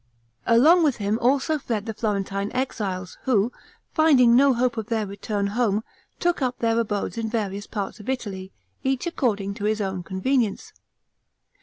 Along with him also fled the Florentine exiles, who, finding no hope of their return home, took up their abodes in various parts of Italy, each according to his own convenience.